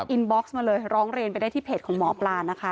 บ็อกซ์มาเลยร้องเรียนไปได้ที่เพจของหมอปลานะคะ